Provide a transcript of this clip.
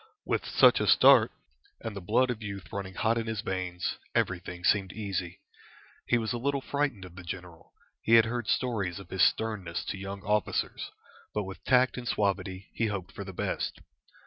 With such a start, and the blood of youth running hot in his veins, everything seemed easy. He was a little frightened of the general; he had heard stories of his sternness to young officers, but with tact and suavity he hoped for the best.